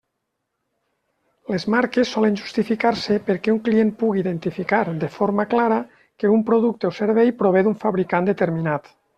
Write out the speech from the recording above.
Les marques solen justificar-se perquè un client pugui identificar, de forma clara, que un producte o servei prové d'un fabricant determinat.